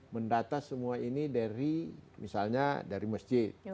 mendata semua ini dari misalnya dari masjid